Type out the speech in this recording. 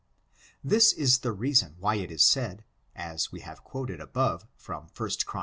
This is the reason why it is said, as we have quoted above, from 1 Chron.